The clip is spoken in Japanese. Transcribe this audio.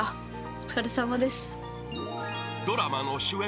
お疲れさまです。